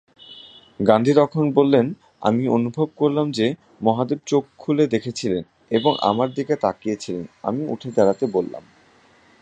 গান্ধী তখন বললেন, আমি অনুভব করলাম যে মহাদেব চোখ খুলে দেখেছিলেন এবং আমার দিকে তাকিয়ে ছিলেন, আমি উঠে দাঁড়াতে বললাম।